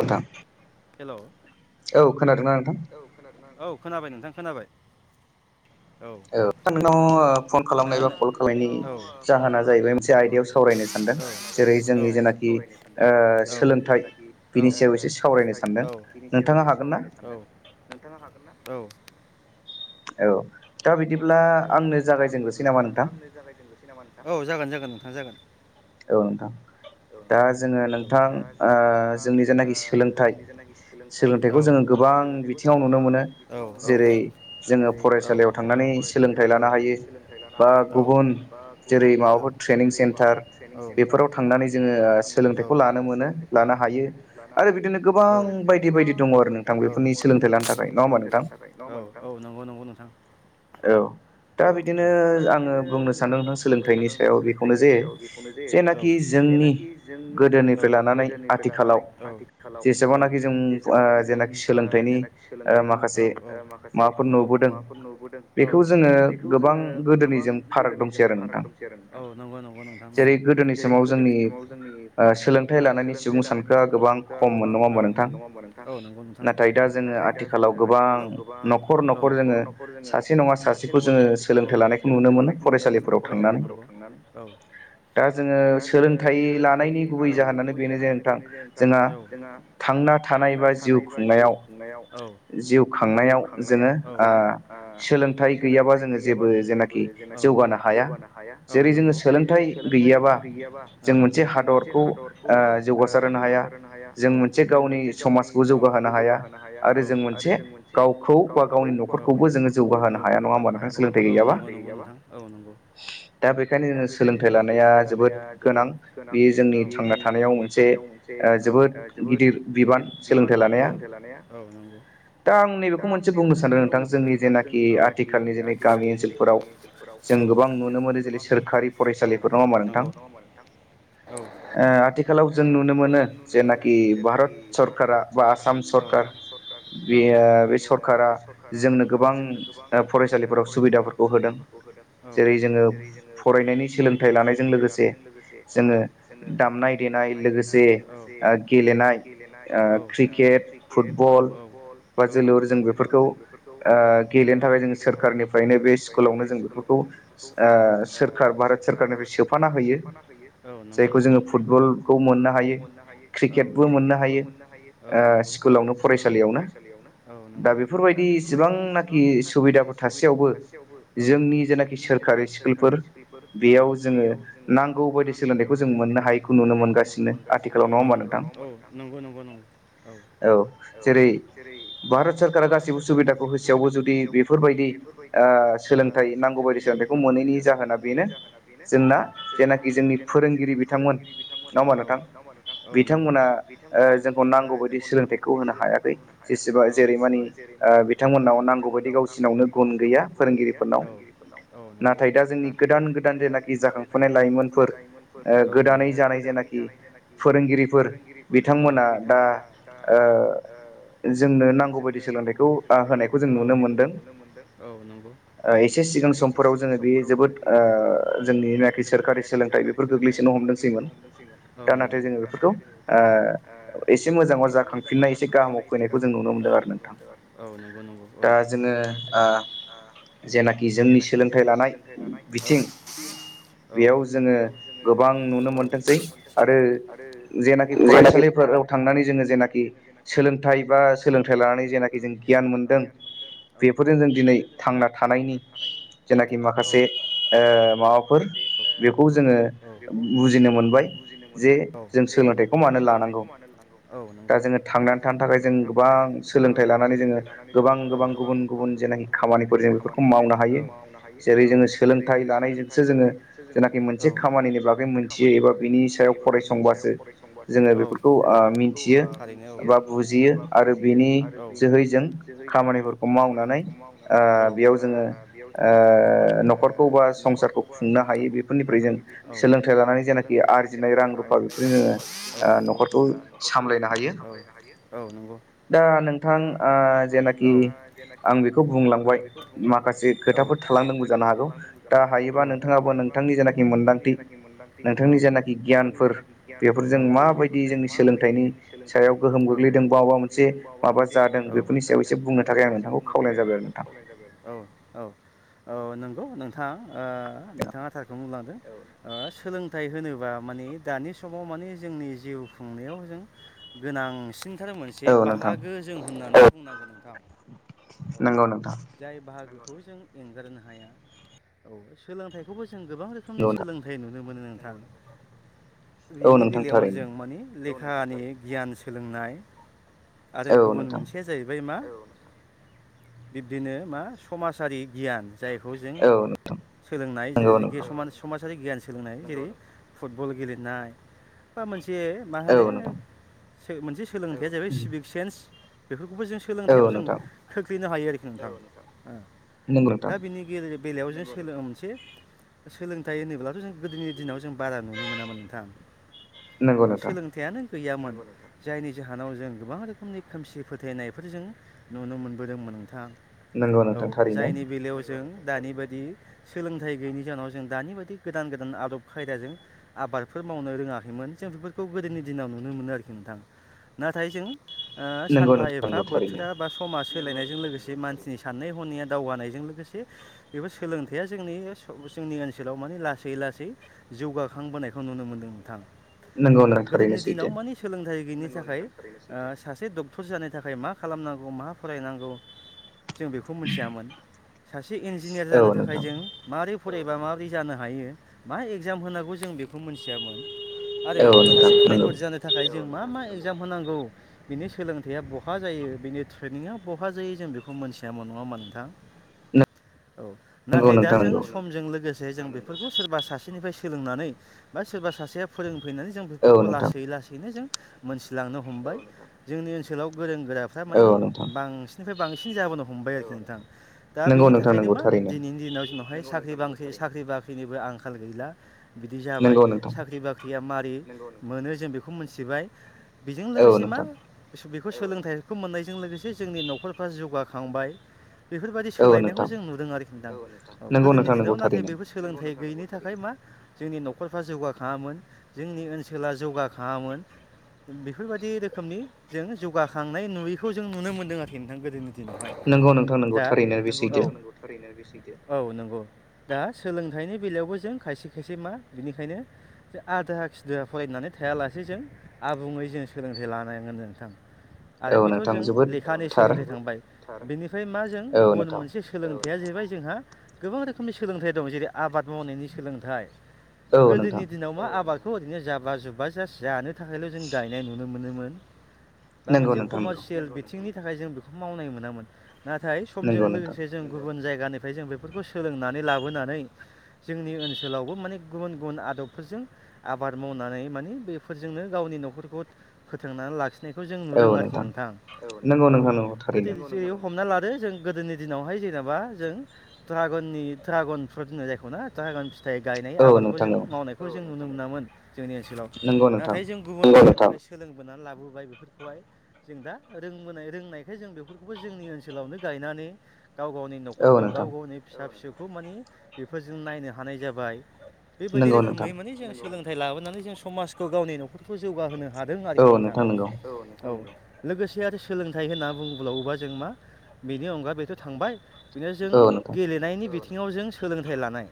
नोंथां औ खोनादोंना औ खोनाबाय नोंथां औ खोनाबाय नोंथां खोनाबाय औ नोंनाव ओ फन खालामनाय बा कल खालामनि जाहोना जाहैबाय मोनसे आयदायाव सावराय रायनो सानदों जेरै जोंनि जेनाखि ओ सोलोंथाइ बिनि सायाव एसे सावरायनो सानदों औ बिनि सायाव एसे सावरायनो सानो औ नोंथाङा हागोन ना औ औ दा बिदि औ दा बिदिब्ला आंनो जागायजेनोसै नामा नोंथां औ जागोन जागोन नोंथां जागोन औ नोंथां औथां औ दा जोङो नोंथां ओ जोंनि जेनाखि सोलोंथाइ औ जोङो गोबां बिथिङाव नुनो मोनो जेरै जोङो फरायसालियाव थांनानै सोलोंथाइ लाना नै सोलोंथाय लानो हायो औ बा गुबुन जेरै माबाफोर बेफोराव थांनानै जोङो सोलोंथाइखौ लानो मोनो लानो हायो आरो बिदिनो गोबां बायदि बायदि दङ आरो नोंथां औ नोंथांनि सोलोंथाइ लानो थाखाय औ औ नंगौ नंगौ नोंथां औ औ औ दा बिदिनो आङो बुंनो सानदों नोंथां सोलोंथाइनि सायाव बेखौनो जे औ जेनाखि जोंनि औ गोदोनिफ्राय लानानै औ आथिखालाव औ जेसेबांनाखि जों ओ जेनाखि सोलोंथाइनि औ औ ओ माखासे औ माबाफोर नुबोदों औ बेखौ जोङो गोबां गोदोनिजों फाराग दंसै आरो औ नंगौ नंगौ नोंथां नंगौ गोदोनि समाव गोदोनि समाव जोंनि ओ सोलोंथाइ लानायनि सुबुं सानखोआ गोबां औ खममोन नङा होनबा नोंथां नाथाय दा जोङो आथिखालाव गोबां औ न'खर न'खर सासे नङा सासेखौ जोङो सोलोंथाइ लानायखौ नुनो मोनो फरायसालिफोराव थांनानै औ दा जोङो सोलोंथाइ लानायनि गुबै जाहोनानो बेनो जे नोंथां जोंहा थांना थानाय बा थानाय एबा जिउ खुंनायाव औ जिउ खांनायाव औ जोङो ओ सोलोंथाइ गैयाबा जोङो जेबो औ जेनाखि जौगानो हाया औ नंगौ जेरै जोङो सोलोंथाइ गैयाबा औ जों मोनसे हादरखौ ओ जौगासार होनो हाया औ जों मोनसे गाव नि समाजखौ जौगाहोनो हाया औ आरो जों मोनसे गावखौ बा गावनि न'खर खौबो जोङो जौगाहोनो हाया नङा होनबा औ नंगौ दै गैयाबा बेखायनो जों सोलों थाय लानाया जोबोद गोनां बे जोंनि थांना थानायाव मोनसे ओ जोबोद गिदिर बिबान सोलोंथाय लानाया दा आं नैबेखौ मोनसे बुंनो सानदों नोंथां जोंनि जेनाखि जायनाखि आथिखालनि जोंनि गामि ओनसोलफोराव जों गोबां नुनो मोनो जेरै सोरखारि फरिनांगौ नङा होनबा नोंथां औ ओ आथिखालाव जों नुनो मोनो जेनाखि भारत सरकारा आसाम सरखार बे सरखारा जोंनो फरायसालिफोराव सुबिदाफोरखौ होदों जेरै जोङो फरायनायनि सोलोंथाइ ला सोलोंथाइ लानायजों लोगोसे जोङो दामनाय देनाय लोगोसे ओ गेले नाय ओ क्रिकेट औ औ फुटबल औ बा जोलुर जों बेफोरखौ औ गेलेनो थाखायों सोरखारनिफ्रायनो बे स्कुलावनो जों बेफोरखौ ओ सोरखार भारत सोरखारनिफ्राय सोरखारनिफ्राय सोफाना होयो औ नंगौ जायखौ जोङो फुटबल खौ मोननो हायो औ क्रिकेटबो क्रिकेटबो मोननो हायो औ नंगौ ओ स्कुलावनो फरायसालिआवनो औ नंगौ दा बेफोर बायदि गोबांनाखि सुबिदाफोर थासेयावबो औ जोंनि जेनाखि सोरखारि स्कुलफोर औ जोङो नांगौ बायदि सोलोंथाइखौ जों मोननो हायैखौ नुनो मोनगासिनो आथिखालाव नङा होमबा नोंथां नंगौ नंगौ औ औ जेरै भारत सरकारा गासिबो सुबिदाखौ होसेयावबो जुदि बेफोरबायदि ओ सोलोंथाइ नांगौ बायदि सोलोंथाइखौ मोनैनि जाहोना बेनो जोंना जेनाखि जोंनि फोरोंगिरि बिथांमोन औ नङा होनबा नोंथां औ नंगौ ओ जोंखौ नांगौ बायदि सोलोंथाइखौ होनो हायाखै जेसेबां जेरै मानि ओ ओ बिथांमोननाव नांगौ बायदि गावसिनावनो गुन गैया फोरोंगिरिफोरनाव नाथाय दा जोंनि गोदान गोदान जेनाखि जाखांफुनाय लाइमोनफोर औ गोदानै जानाय जेनाखि फोरोंगिरि बिथांमोना दा ओ जोंनो नांगौबायदि सोलोंथाइखौ ओ होनायखौ जों नुनो मोनदों ओ एसे सिगां समफोराव जोङो बे जोबोद ओ जोंनिनाखि सोरखारि सोलोंथाइ बेफोर गोग्लैसोनो हमदोंसैमोन दा नाथाय जोङो बेफोरखौ ओ ओ एसे मोजाङाव जाखांफिननाय एसे गाहामाव फैनायखौ जों नुनो मोनदों आरो नोंथां। नंगौ नंगौ औ दा जोङो ओ जेनाखि जोंनि सोलोंथाइ लानाय बिथिं बेयाव जोङो गोबां नुनो मोनथोंसै आरो जेनाखि फरायसालिफोर थांनानै जोङो जेनाखि सोलोंथाइ बा सोलोंथाइ लानानै जेनाखि जों गियान मोनदों बेफोरजों जों दिनै थांना थानायनि जेनाखि माखासे ओ माबाफोर बेखौ जोङो बुजिनो मोनबाय जे जों सोलोंथाइखौ मानो लानांगौ दा जोङो थांनानै थानो थाखाय जों गोबां सोलोंथाइ लानानै जोङो गोबां गोबां गुबुन गुबुन जेनाखि खामानिफोर जों बेफोरखौ मावनो हायो जेरै जोङो सोलोंथाइ ला नाय जोंसो जोङो जेनाखि मोनसे खामानिनि बागै मोनथियो एबा बिनि सायाव फरायसंबासो जोङो बेफोरखौ मिन्थियो बा बुजियो आरो बिनि जोहै जों जोहैजों खामानिफोरखौ मावनानै ओ बेयाव जोङो ओ न'खरखौ बा संसारखौ खुंनो हायो बेफोरनिफ्राय जों सोलोंथाइ लानानै जेनाखि आरजिनाय रां-रूपा बेखौ औ नंगौ नोंथां‌ न'खरखौ सावायनो हायो औ नंगौ दा नोंथां आ जेनाखि आं बेखौ बुंलांबाय माखासे खोथाफोर थालांदोंबो जानो हागौ दा हाय औ दा हायोबा नोंथाङाबो नोंथांनि जेनाखि मोनदांथि औ नोंथांनि जेनाखि गियानफोर औ माबायदि जोंनि सोलोंथाइनि सायाव गोहोम गोग्लैदों बा माबा मोनसे माबा जादों बेफोरनि जादों बेफोरनि सायाव एसे बुंनो थाखाय आं नोंखौ खावलायनाय जाबाय आरो औ औ। औ नंगौ नोंथां ओ नोंथाङा थारखौ बुंलांदों। सोलोंथाइ होनोबा माने दानि समाव माने जोंनि जिउ खुंनायाव जों गोनां नांसिनखोनो मोनसे बाहागो जों होननानै जों बुंनांगोन नोंथां। औ जाय बाहागोखौ जों एंगारनो हाया औ सोलोंथाइखौबो जों गोबां रोखोमनि सोलोंथाइ नुनो मोनो नोंथां। थां‌ बेनि बेलायावनो जों माने लेखानि गियान सोलोंनाय आरो गुबुन मोनसेया जाहैबाय मा बिब्दिनो मा समाजारि गियान जायखौ जों सोलोंनाय जेनाखि समाजारि गियान सोलोंनाय जेरै फुटबल गेलेनाय बा मोनसे जे मा होनो से मोनसे सोलोंथाइया जाहैबाय सिभिक सेन्स बेफोर खौबो जों सोलोंथायाइाव जों खोख्लैनो हायो आरोखि नोंथां औ नोंथां दा बिनि गेजेर बेलायाव जों सोलो मोनसे सोलोंथाइ होनोब्लाथ' जों गोदोनि दिनाव जों बारा नुनो मोनामोन नोंथां माने सोलोंथाइयानो गैयामोन जायनि जाहोनाव जों गोबां रोखोमनि खोमसि फोथायनायफोर जों नुनो मोनबोदोंमोन नोंथां। औ जायनि बेलायाव जों दानि बायदि सोलोंथाइ गैयैनि जाहोनाव जों दानि बायदि गोदान गोदान आदब खायदाजों आबादफोर मावनो रोङाखैमोन। जों बेफोरखौ गोदोनि दिनाव नुनो मोनो आरोखि नोंथां। नाथाय जों ओ सानफा एफा बोथोरा बा समाज सोलायनायजों लोगोसे मानसिनि साननाय हनाया दावगानायजों लोगोसे बेबो सोलोंथाइया जोंनि जोंनि ओनसोलाव माने लासै लासै जौगाखांबोनायखौ नुनो मोनदों नोंथां। औ गोदोनि दिनाव मानि सोलोंथाइ गैयिनि थाखाय सासे डक्टर जानो थाखाय मा खालामनांगौ मा फरायनांगौ जों बेखौ मिथियामोन सासे इन्जिनियार जानो थाखाय जों मारै फरायबा माबोरै जानो हायो मा एगजाम होनांगौ जों बेखौ मोनथियामोन। आरो सासे पायलट जानो थाखाय जों मा मा एक एग्जाम होनांगौ बिनि सोलोंथाइया बहा जायो बिनि ट्रेनिंआ बहा जायो जों बेखौ मोनथियामोन नङा होमबा‌ नोंथां? औ नाथाय दा जों समजों‌ लोगोसे जों‌ बे फोरखौ सोरबा सासेनिफ्राय सोलोंनानै बा सोरबा सासेया फोरों फैनानै जों बेफोरखौ लासै लासैनो जों मोनथिलांनो हमबाय जोंनि ओनसोलाव गोरों गोराफ्रा माने बांसिननिफ्राय बांसिन जाबोनो हमबाय आरोखि नोंथां दा बेनि थाखायनो मा दिनैनि दिनाव जोंनावहाय साख्रि बाख्रि साख्रि बाख्रिनिबो आंखाल गैला बिदि जाबाय साख्रि बाख्रिया मारै मोनो जों बेखौ मोनथिबाय। बेजों लोगोसे मा जों बे बेखौ सोलोंथाइखौ मोननायजों लोगोसे जोंनि न'खरफ्रा जौगाखांबाय। बेफोरबायदि सोलायनायखौ जों नुदों आरोखि नोंथां औ नोंथां गोदोनि दिनाव नाथाय बेफोर सोलोंथाइ गैयिनि थाखाय मा जोंनि न'खरफ्रा जौगाखाङामोन जोंनि ओनसोला जौगाखाङामोन। बेफोरबायदि रोखोमनि जों जौगाखांनाय नुयैखौ जों नुनो मोनदों आरोखि नोंथां गोदोनि दा नंगौ औ नंगौ थारैनो। औ नंगौ दा सोलोंथाइनि बेलायावबो जों खायसे खायसे मा बिनिखायनो आदा खिदा फरायनानै थायालासे जों आबुङै जों सोलोंथाइ लानांगोन नोंथां। आरो बेथ' जों लेखानि सोलोंथाइ थांबाय बिनिफ्राय मा जों गुबुन मोनसे सोलों थाया जाहैबाय जोंहा गोबां रोखोमनि सोलोंथाइ दं जेरै आबाद मावनायनि सोलोंथाइ गोदोनि दिनाव मा आबादखौ ओरैनो जाबा जुब्बा जास जानो थाखायल' जों गायनाय नुनो मोनोमोन बा मोनसे कमारसियेल बिथिंनि थाखाय जों बेखौ मावनाय मोनामोन। नाथाय समजों लोगोसे जों गुबुन जायगा ओमफ्राय जों बेफोरखौ सोलोंनानै लाबोनानै जोंनि ओनसोलावबो माने गुबुन गुबुन आदबफोरजों आबाद मावनानै माने बेफोरजोंनो गावनि न'खरखौ फोथांनानै लाखि। होननायखौ जों नुदों आरोखि नोंथां औ गोदो ज हमना लादो। जों गोदोनि दिनावहाय जेनेबा जों ध्रागननि ध्रागननि फ्रुड होनो जायखौ ना ध्रागन नाथाय गायनाय आबादखौ जों मावनायखौ जों नुनो मोनामोन जोंनि ओनसोलाव नाथाय जों गुबुन। सोलोंबोनानै लाबोबाय बेफोरखौहाय जों दा रोंबोनाय रोंनायखाय जों बेफोरखौबो जोंनि ओनसोलावनो। गायनानै। गाव गावनि न'खरखौ गाव गावनि फिसा फिसौखौ माने बेफोरजों नायनो हानाय जाबाय। बेबायदि रोखोमै माने जों सोलोंथाइ लाबोनानै जों समाजखौ गावनि न'खरखौ जौगाहोनो। हादों आरोखि नोंथां औ औ। लोगोसे आरो सोलोंथाइ होनना बुंब्लावोबा जों मा बेनि अनगा बेथ' थांबाय। बेनो जों गेलेनायनि बिथिङाव जों सोलोंथाइ लानाय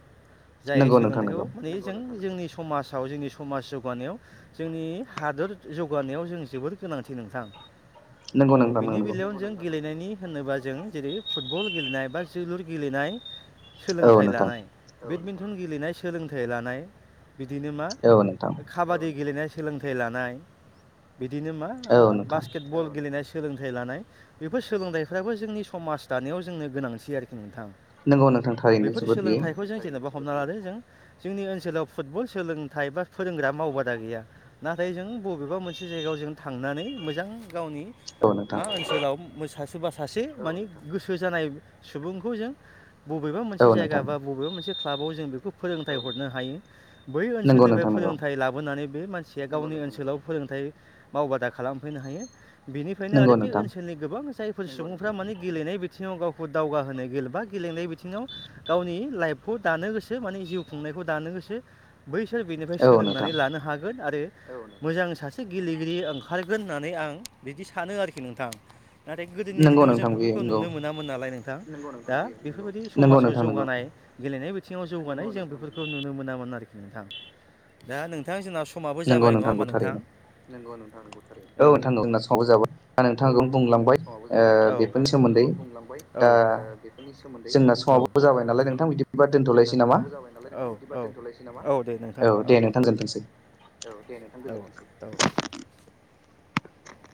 जाय सोलोंथाइखौ माने जों। जोंनि समाजाव जोंनि समाज जौगानायाव जोंनि हादोर जौगानायाव जों जोबोद गोनांथि नो। नोंथां औ बिनि बेलायावनो जों गेलेनायनि होनोबा जों जेरै फुटबल गेलेनाय। बा जोलुर गेलेनाय सोलोंथाइ लानाय बेट। सावथुन गेलेनाय सोलोंथाइ लानाय बिदिनो मा काबादि गेलेनाय। सोलोंथाइ लानाय बिदिनो मा बास्केट बल गेलेनाय। सोलोंथाइ लानाय बेफोर सोलोंथाइफ्राबो जोंनि समाज दानायाव जोंनो गोनांथि आरोखि नोंथां। औ बेफोर सोलोंथाइखौ जों जेनेबा। हमना लादो जों जोंनि ओनसोलाव फुटबल सोलोंथाइ बा फोरोंग्रा मावबादा गैया नाथाय जों। बबेबा मोनसे जायगायाव जों थांनानै मोजां गावनि। मा ओनसोलाव सोरबा सासे माने गोसो जानाय। सुबुंखौ जों बबेबा मोनसे जायगा बा बबेबा मोनसे। क्लाबाव जों बेखौ फोरोंथाइ हरनो हायो बै ओनसोलनिफ्राय फोरोंथाइ लाबोनानै। बे मानसिया गावनि ओनसोलाव फोरोंथाइ मावबादा खालामफैनो हायो। बेनिफ्रायनो आरो बे ओनसोलनि गोबां जायफोर सुबुंफ्रा माने गेलेनाय बिथिङाव गावखौ। दावगा होनाय बा गेलेनाय बिथिङाव गावनि लाइफखौ दानो गोसो माने जिउ खुंनायखौ दानो गोसो। लोगोसे बैसोर बेनिफ्राय सोलोंनानै लानो हागोन आरो। मोजां सासे गेलेगिरि ओंखारगोन होननानै आं बिदि सानो आरोखि नोंथां। नाथाय गोदोनि दिनाव जों बेफोरखौ नुनो मोनामोन नालाय नोंथां दा। बेफोरबायदि समाजाव जौगानाय गेलेनायदि। बिथिङाव जौगानाय जों बेफोरखौ नुनो मोनामोन आरोखि नोंथां दा नोंथां जोंहा सम। समाबो जाबाय नङा होमबा नोंथां। नंगौ नोंथां नंगौथार औ औ नोंथां जोंना समाबो जाबाय औ दा नोंथाङा गोबां बुंला। बेफोरनि सोमोन्दै जोंना समावबो जाबाय नालाय औ। औ दोनथलायनोसै नामा औ दे नोंथां औ। औ देखनो जाबावनोसै औ।